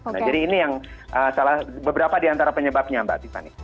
nah jadi ini yang salah beberapa di antara penyebabnya mbak tiffany